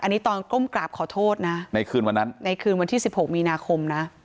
อันนี้ตอนก้มกราบขอโทษนะในคืนวันที่๑๖มีนาคมนะ